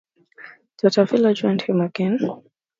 Tautvilas joined him again.